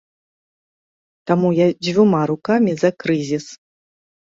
Таму я дзвюма рукамі за крызіс.